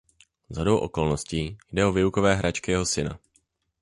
Shodou okolností jde o výukové hračky jeho syna.